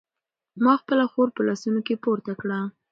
ما خپله خور په لاسونو کې پورته کړه.